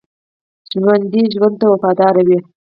ژوندي ژوند ته وفادار وي